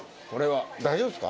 大丈夫ですか？